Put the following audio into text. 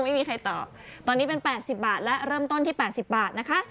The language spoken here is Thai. ไม่มีใครตอบตอนนี้เป็น๘๐บาทและเริ่มต้นที่๘๐บาทนะคะ